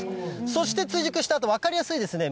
そして追熟したあと、分かりやすいですね。